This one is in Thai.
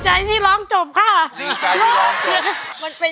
ใจที่ร้องจบค่ะ